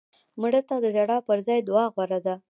مړه ته د ژړا پر ځای دعا غوره ده